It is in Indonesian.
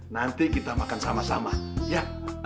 nanti kita makan sama sama ya